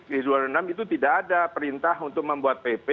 di dua puluh enam itu tidak ada perintah untuk membuat pp